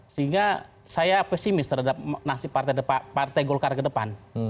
sehingga saya pesimis terhadap nasib partai golkar ke depan